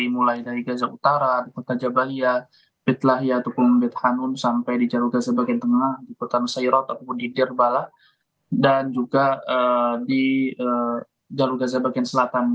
mulai dari gaza utara kota jabaliyah bitlahiyah tukung bit hanun sampai di jalur gaza bagian tengah di kota nusairot di dirbala dan juga di jalur gaza bagian selatan